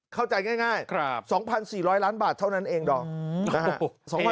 เข้าใจง่ายง่ายครับสองพันสี่ร้อยล้อนบาทเท่านั้นเองดอกอืมนะฮะ